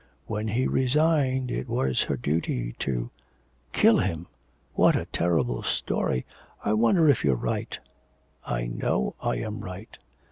When he resigned it was her duty to ' 'Kill him! What a terrible story. I wonder if you're right.' 'I know I am right.'